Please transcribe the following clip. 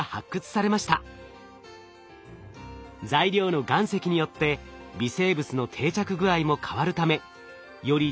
材料の岩石によって微生物の定着具合も変わるためより